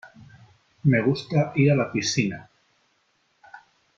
Me gusta ir a la piscina.